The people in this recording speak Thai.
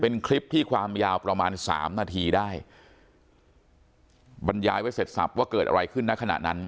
เป็นคลิปที่ความยาวประมาณสามนาทีได้บรรยายไว้เสร็จสับว่าเกิดอะไรขึ้นณขณะนั้น